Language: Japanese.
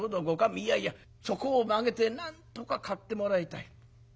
「いやいやそこを曲げてなんとか買ってもらいたい。